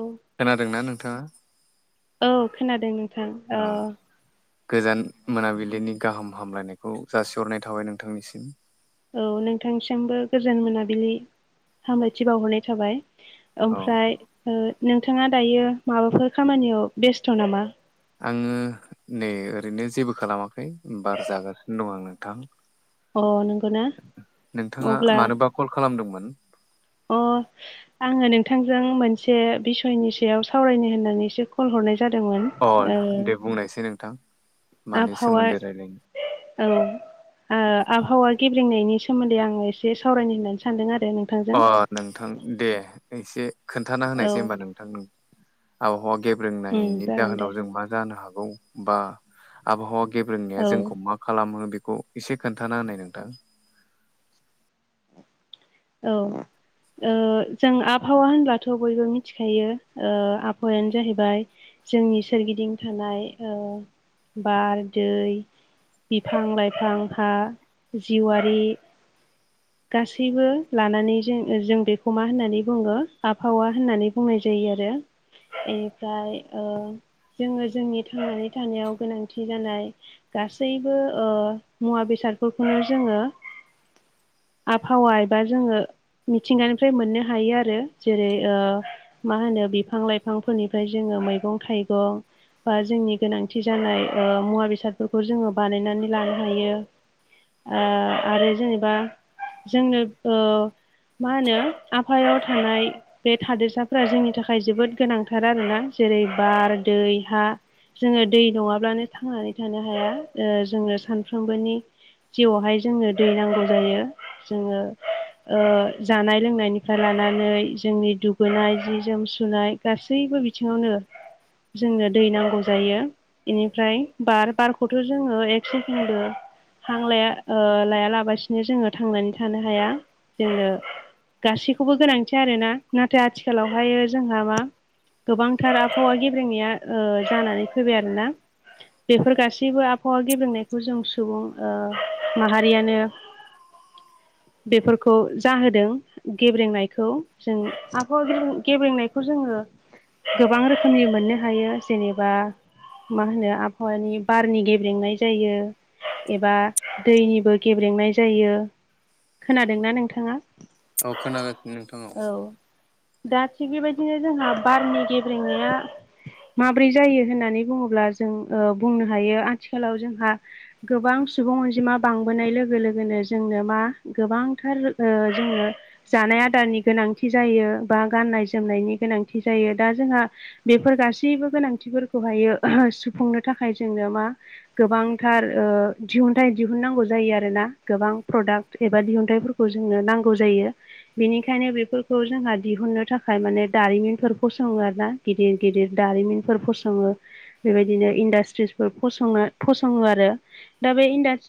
औ खोनादोंना नोंथाङा औ खोनादों नोंथां ओ गोजान मोनाबिलिनि गाहाम हामलायनायखौ जासिहरनाय थाबाय नोंथांनिसिम औ नोंथांसिमबो गोजोन मोनाबिलि हामलायथि बावहरनाय थाबाय औ ओमफ्राय ओ नोंथाङा दायो माबाफोर खामानियाव बेस्थ' नामा आङो नै ओरैनो जेबो खालामाखै बार जागासिनो दं आं नोंथां अ नंगौ ना नोंथाङा अब्ला मानोबा कल खालामदोंमोन अ आङो नोंथांजों मोनसे बिसयनि सायाव सावरायनो होननानैसो कल हरनाय जादोंमोन अ ओ दे बुंनायसाय नोंथां मानि आबहावा सोमोन्दै रायलायनो? औ ओ आबहावा गेब्रेंनायनि सो सोमोन्दै आं एसे सावरायनो होननानै सानदों आरो नों अ नोंथां दे एसे खोन्थाना औ होनायसै होनबा नोंथां नों आबहावा उम गेब्रेंनायनि जागोन दे जाहोनाव जों मा जानो हागौ बा आबहावा गेब्रेंनाया औ जोंखौ मा खालामो बेखौ एसे खोन्थाना होननाय नोंथां औ जों आबहावा होनब्लाथ' बयबो मिथिखायो आबहावायानो जाहैबाय जोंनि सोरगिदिं थानाय बार दै बिफां लाइफां फा जिवारि गासैबो लानानै जों जों बेखौ मा होननानै बुङो आबहावा होननानै बुंनाय जायो आरो बेनिफ्राय जोङो जोंनि थांनानै थानायाव गोनांथि जानाय गासैबो मुवा बेसादफोरखौनो जोङो आबहावा एबा जोङो मिथिंगानिफ्राय मोननो हायो आरो जेरै मा होनो बिफां लाइफांफोरनिफ्राय जोङो मैगं थाइगं बा जोंनि गोनांथि जानाय मुवा बेसादफोरखौ जोङो बानायनानै लानो हायो आरो जेनेबा जोंनो मा होनो आफायाव थानाय बे थादोरसाफोरा जोंनि थाखाय जोबोद गोनांथार आरोना जेरै बार दै हा जोङो दै नङाब्लानो थांनानै थानो हाया जोङो सानफ्रोमबोनि जिउआवहाय जोङो दै नांगौ जायो जोङो जानाय लोंनायनिफ्राय लानानै जोंनि दुगैनाय जि जोम सुनाय गासैबो बिथिङावनो जोंनो दै नांगौ जायो बेनिफ्राय बार बारखौथ' जोङो एक सेकेणदबो हां लाया लाया लाबसिनो जोङो थांनानै थानो हाया जोंनो गासैखौबो गोनांथि आरोना नाथाय आथिखालावहायो जोंहा मा गोबांथार आबहावा गेब्रेंनाया जानानै फैबाय आरोना बेफोर गासैबो आबहावा गेबेनायखौ जों सुबुं माहारियानो बेफोरखौ जाहोदों गेब्रेंनायखौ जों आबहावा गेब्रेंनायखौ जोङो गोबां रोखोमनि मोननो हायो जेनेबा मा होनो आबहावानि बारनि गेब्रेंनाय जायो एबा दैनिबो गेब्रेंनाय जायो खोनादोंना नोंथाङा औ खोनागासिनो नोंथां औ दा थिग बेबायदिनो जोंहा बारनि गेब्रेनाया माब्रै जायो होननानै बुङोब्ला जों बुंनो हायो आथिखालाव जोंहा गोबां सुबुं अनजिमा बांबोनाय लोगो लोगोनो जोंनो मा गोबांथार जोङो जानाय आदारनि गोनांथि जायो बा गाननाय जोमनायनि गोनांथि जायो दा जोंहा बेफोर गासैबो गोनांथिफोरखौहायो सुफुंनो थाखाय जोंनो मा गोबांथार दिहुनथाइ दिहुननांगौ जायो आरोना गोबां प्रडाक्ट एबा दिहुनथाइफोरखौ जोंनो नांगौ जायो बेनिखायनो बेफोरखौ जोंहा दिहुननो थाखाय माने दारिमिनफोर फसङो आरोना गिदिर गिदिर दारिमिनफोर फसङो बेबायदिनो इन्डास्ट्रिसफोर फसंनो फसङो आरो दा बेास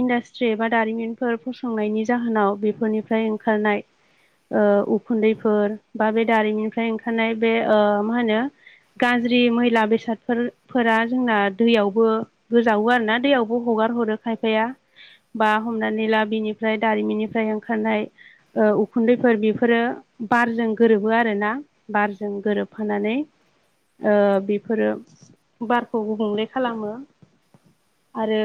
इन्डासट्रि एबा दारिमिनफोर फसंनायनि जाहोनाव बेफोरनिफ्राय ओंखारनाय उखुन्दैफोर बा बे दारिमिनिफ्राय ओंखारनाय बे मा होनो गाज्रि मैला बेसादफोरफोरा जोंना दैयावबो गोजावो आरोना दैयावबो हगार हरो खायफाया बा हमनानै ला बिनिफ्राय दारिमिननिफ्राय ओंखारनाय उखुन्दैफोर बेफोरो बारजों गोरोबो आरोना बारजों गोरोबफानानै ओ बेफोरो बारखौ गुबुंले खालामो आरो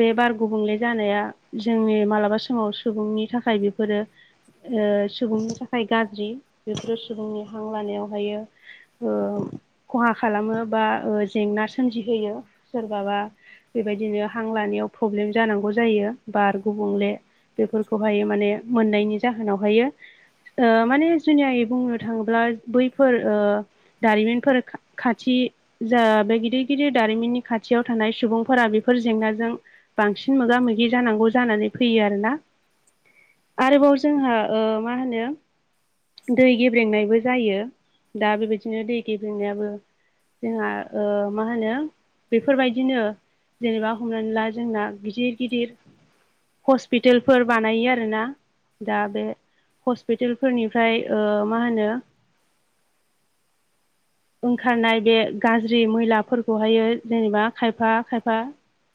बे बार गुबुंले जानाया जोंनि मालाब माबा समाव सुबुंनि थाखाय बेफोरो सुबुंनि थाखाय गाज्रि बेफोरो सुबुंनि हां लानायावहायो खहा खालामो बा जेंना सोमजिहोयो सोरबाबा बेबायदिनो हां लानायाव प्रब्लेम जानांगौ जायो बार गुबुंले बेफोरखौहाय माने मोननायनि जाहोनावहायो माने जुनियै बुंनो थाङोब्ला बैफोर दारिमिनफोर खाथि जा बे गिदिर गिदिर दारिमिननि खाथियाव थानाय सुबुंफोरा बेफोर जेंनाजों बांसिन मोगा मोगि जानांगौ जानानै फैयो आरोोना आरोबाव जोंहा मा होनो दै गेब्रेंनायबो जायो दा बेबायदिनो दै गेब्रेंनायाबो जोंहा मा होनो बेफोरबायदिनो जेनेबा हमनानै ला जोंना गिदिर गिदिर हस्पिटेलफोर बानायो आरोना दा बे हस्पिटेलफोरनिफ्राय ओ मा होनो ओंखारनाय बे गाज्रि मैलाफोरखौहायो जेनेबा खायफा खायफा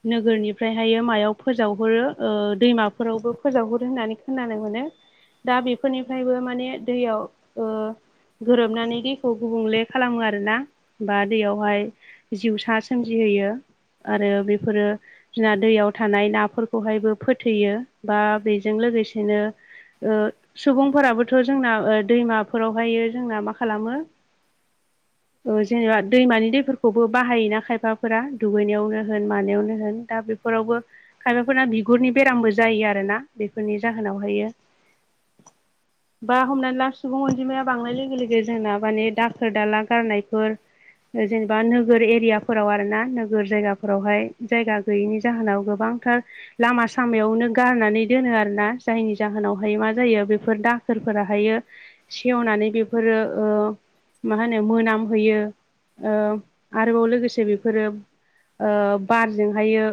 नोगोरनिफ्रायहायो मायाव फोजावहरो दैमाफोरावबो फोजावहरो होननानै खोनानो मोनो दा बेफोरनिफ्रायबो माने दैयाव गोरोबनानै दैखौ गुबुंले खालामो आरोना बा दैयावहाय जिउसा सोमजिहोयो आरो बेफोरो जोंना दैयाव थानाय नाफोरखौहायबो फोथैयो बा बेजों लोगोसेनो सुबुंफोराबोथ' जोंना दैमाफोरावहाय जोंना मा खालामो जेनेबा दैमानि दैफोरखौबो बाहायोना खायफाफोरा दुगैनायावनो होन मानायावनो होन दा बे नखरावबो खायफाफोरना बिगुरनि बेरामबो जायो आरोना बेफोरनि जाहोनावहायो बा हमनानै ला सुबुं अनजिमाया बांनाय लोगो लोगो जोंना माने दा दाखोर दाला गारनायफोर जेनेबा नोगोर एरियाफोराव आरो ना नोगोर जायगाफोरावहाय जायगा गैयिनि जाहोनाव गोबांथार लामा सामायावनो गारनानै दोनो आरोना जायनि जाहोनावहाय मा जायो बेफोर दाखोरफोरााहायो सेवनानै बेफोरो ओ मा होनो मोनामहोयो आरोबाव लोगोसे बेफोरो बारजोंहायो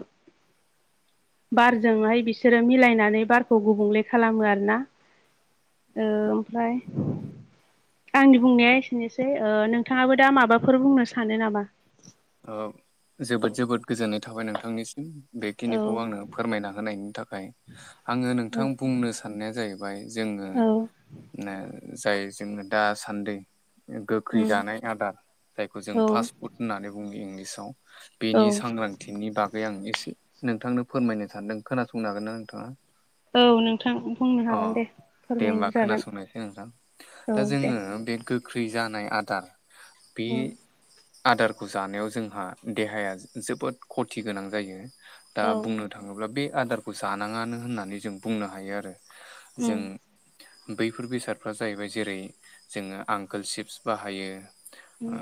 बारजोंहाय बिसोरो मिलायनानै बारखौ गुबुंले खालामो आरोना ओमफ्राय आंनि बुंनाया एसे बनोसै ओ नोंथाङाबो दा माबाफोर बुंनो सानो नामा ओ जोबोद जोबोद गोजोननाय थाबाय नोंथांनि औ बेखिनिखौ आंनो फोरमायना होनायनि थाखाय आङो नोंथां बुंनो साननाया जाहैबाय जोङो औ जाय जोङो दासान्दि गोखै उम दानाय आदार जायखौ जों औ फास्ट फुड होननानै बुङो इंलिसाव औ बेनि सांग्रांथि थननि बागै आं एसे नोंथांनो फोरमायनो सानदों खोनासंनो हागोन ना नोंथाङा औ नोंथां बुंनो अ हागोन दे दे फोरमायनो हबा जागोन खोनासंनोसै नोंथां औ दा दे जोङो बे गो गोख्रि जानाय आदार बे उम आदार खौ जानायाव जोंहा देहाया जोबोद खथि गोनां जायो दा औ बुंनो बुंनो थाङोब्ला बे आदारखौ जानाङानो होननानै जों बुंनो हायो आरो उम जों बैफोर बेसादफ्रा जाहैबाय जेरै जोङो आंकोल सिप्स बाहायो उम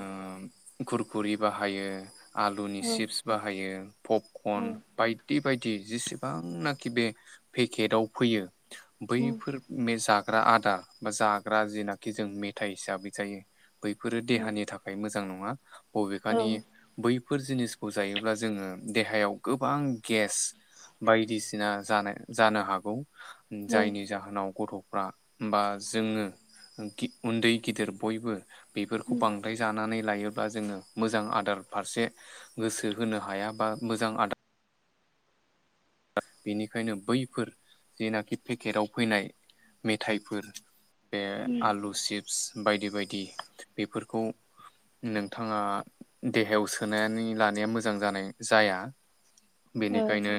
खुरखुरि बाहायो आलुनि औ चिप्स बाहायो औ पपकर्न बायदि बायदि जिसे गोबांनाखि बे पेकेटाव फैयो उम बैफोर जाग्रा आदार बा जाग्रा जेनाखि जों मेथाइ हिसाबै जायो बैफोरो औ देहानि थाखाय मोजां नङा औ बबेखानि बैफोर जिनिसखौ जायोब्ला जोङो देहायाव गोबां गेस बायदिसिना जानाय जानो हागौ उम जायनि जाहोनाव गथ'फ्रा बा जोङो उन्दै गिदिर बयबो बेफोरखौ बांद जानानै लायोब्ला जोङो मोजां आदार फारसे गोसो होनो हाया बा मोजां आदार बेनिखायनो बैफोर जेनाखि पेकेटाव फैनाय मेथाइफोर बे उम आलु चिप्स बायदि बायदि बेफोरखौ नोंथाङा देहायाव सोनानै लानाया मोजां जानाय जाया औ उम बेनिखायनो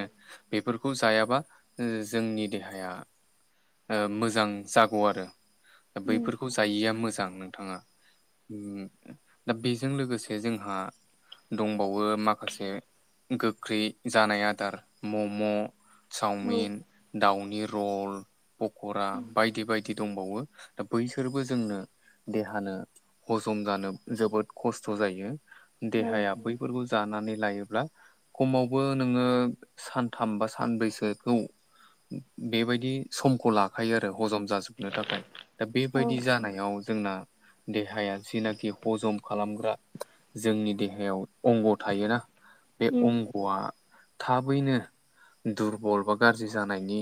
बेफोरखौ जायाबा जोंनि देहाया मोजां जागौ आरो बैफोरखौ जायिया मोजां नोंथाङा दा बेजों लोगोसे जोंहा दंबावो माखासे गोख्रै जानाय आदार मम' चावमिन औ दाउनि रल पक'रा बायदि बायदि दंबावो दा बैसोरबो जोंनो देहानो हजम जानो जोबोद खस्थ' जायो औ देहाया बैफोरखौ जानानै लायोब्ला खमावबो नोङो सानथाम बा सानब्रैसोखौ बेबायदि समखौ ला थाखायो आरो हजम जाजोबनो थाखाय दा औ बेबायदि जानायाव जोंना देहाया जिनाखि हजम खालामग्रा जोंनि देहायाव अंग थायोना बे उम अंगआ थाबैनो दुरबल बा गाज्रि जानायनि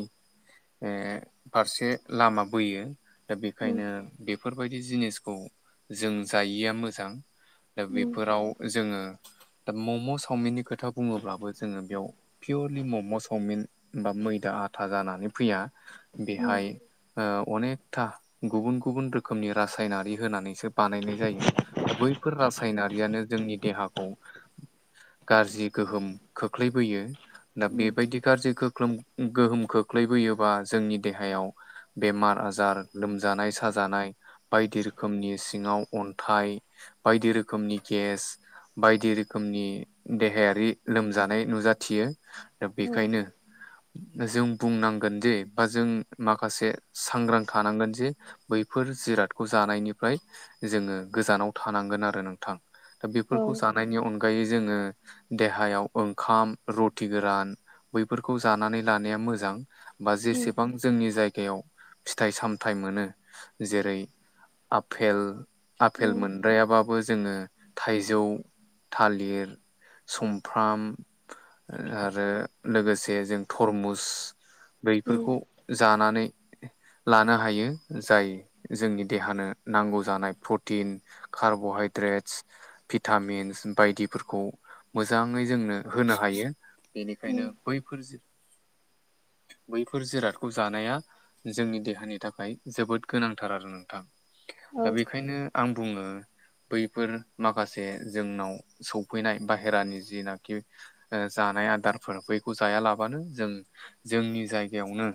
फारसे लामा बोयो दा उम बेखायनो बेफोरबायदि जिनिसखौ जों जायिया मोजां दा उम बेफोराव जोङो दा मम चावमिननि खोथा बुङोब्लाबो जोङो बेयाव पियरलि मम चावमिन बा मैदा आथा जानानै फैया उम बेहाय अनेकथा गुबुन गुबुन रोखोमनि रासायनारि होनानैसो बानायनाय जायो दा बैफोर रासायनारियानो जोंनि देहाखौ गाज्रि गोहोम खोख्लैबोयो दा उम बेबायदि गाज्रि गोहोम खोख्लैबोयोबा जोंनि देहायाव बेमार आजार लोमजानाय साजानाय बायदि रोखोमनि सिङाव अन्थाइ बायदि रोखोमनि गेस बायदि रोखोमनि देहायारि लोमजानाय नुजाथियो दा औ बेखायनो जों बुंनांगोन जे बा जों माखासे सांग्रां थानांगोन जे बैफोर जिरादखौ जानायनिफ्राय जोङो गोजानाव थानांगोन आरो नोंथां दा बेफोरखौ औ जानायनि अनगायै जोङो देहायाव ओंखाम रु थि गोरान बैफोरखौ जानानै लानाया मोजां बा उम जेसेबां जोंनि जायगायाव फिथाइ सामथाय मोनो जेरै आफेल आफेल उम मोन द्रायाबाबो जोङो थाइजौ थालिर सुमफ्राम आरो लोगोसे जों थरमुस उम बैफोरखौ जानानै लानो हायो जाय जोंनि देहानो नांगौ जानाय प्रटिन कार्बहाइद्रेटस भिटामिन्स बायदिफोरखौ मोजाङै जोंनो होनो हायो उम बेनिखायनो बैफोर बैफोर जिरादखौ जानाया जोंनि देहानि थाखाय जोबोद गोनांथार आरो नोंथां औ दा उम बेखायनो आं बुङो बैफोर माखासे जोंनाव सफैनाय बाहेरानि जिनाखि ओ जानाय आदारफोर बैखौ जायालाबानो जों जोंनि जायगायावनो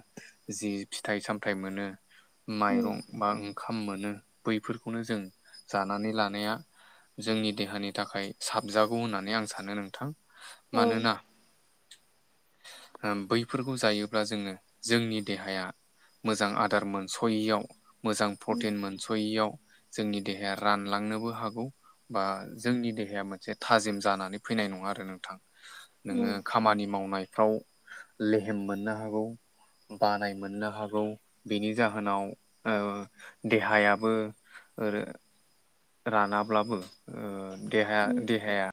जि फिथाइ सामथाइ मोनो माइरं बा ओंखाम मोनो बैफोरखौनो जों जानानै लानाया जोंनि देहानि थाखाय साबजागौ होननानै आं सानो नोंथां औ मानोना बैफोरखौ जायोब्ला जोङो जोंनि देहाया मोजां आदार मोनसयैयाव मोजां उम प्रटिन मोनसयैयाव जोंनि देहाया रानलांनोबो हागौ बा जोंनि देहाया मोनसे थाजिम जानानै फैनाय नङा आरो नोंथां उम नोङो खामानि मावनायफ्राव लेहेम मोननो हागौ बानाय मोननो हागौ बिनि जाहोनाव देहायाबो रानाब्लाबो देहा उम देहाया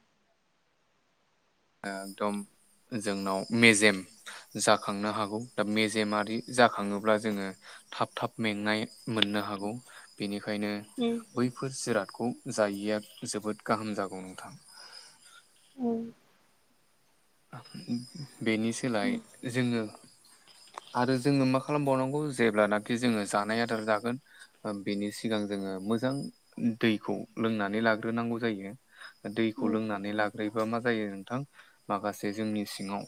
एकदम जोंनाव मेजेम जाखांनो हागौ दा मेजेमारि जाखाङोब्ला जोङो थाब थाब मेंनाय मोननो हागौ बेनिखायनो उम बैफोर जिरादखौ जायैया जोबोद गाहाम जागौ नोंथां उम बेनि सोलाय उम जोङो आरो जोङो मा खालामबावनांगौ जेब्लानाखि जोङो जानाय आदार जागोन बेनि सिगां जोङो मोजां दैखौ लोंनानै लाग्रोनांगौ जायो दैखौ उम लोंनानै लाग्रोयोबा मा जायो नोंथां माखासे जोंनि सिङाव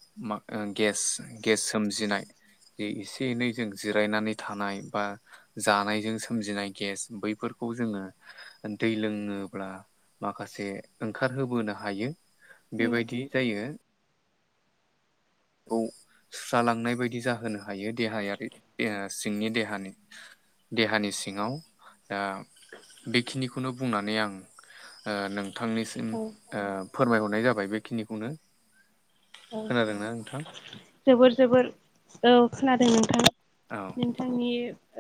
गेस सोमजिनाय ज एसे एनै जों जिरायनानै थानाय बा जानायजों सोमजिनाय गेस बैफोरखौ जोङो दै लोङोब्ला माखासे ओंखारहोबोनो हायो उम बेबायदि जायो बेखौ सुस्रालांनाय बायदि जाहोनो हायो देहायारि सिंनि देहानि देहानि सिङाव दा बेखिनिखौनो बुंनानै आं नोंथांनिसिम औ फोरमायहरनाय जाबाय बेखिनिखौनो औ खोनादोंना नोंथां जोबोर जोबोर औ खोनादों नोंथां औ नोंथांनि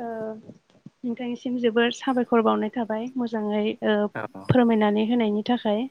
ओ नोंथांनिसिम जोबोर साबायखर बावनाय थाबाय मोजाङै ओ औ फोरमायनानै होनायनि थाखाय